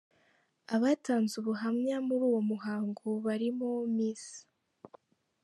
Abatanze ubuhamya muri uwo muhango barimo Ms.